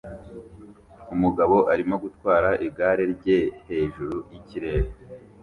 Umugabo arimo gutwara igare rye hejuru yikirere